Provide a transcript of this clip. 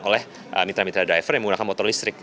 oleh mitra mitra driver yang menggunakan motor listrik